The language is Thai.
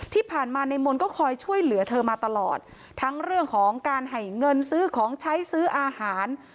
ที่ผ่านมาในมนต์ก็คอยช่วยเหลือเธอมาตลอดทั้งเรื่องของการให้เงินซื้อของใช้ซื้ออาหาร